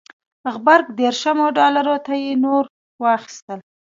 غبرګ دېرشمو ډالرو ته یې نور واخیستل.